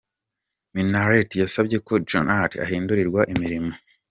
Minnaert yasabye ko Jannot ahindurirwa imirimo.